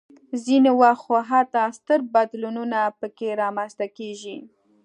ځینې وخت خو حتی ستر بدلونونه پکې رامنځته کېږي.